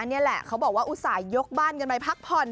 นี่แหละเขาบอกว่าอุตส่าห์ยกบ้านกันไปพักผ่อน